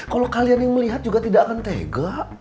kalau kalian yang melihat juga tidak akan tega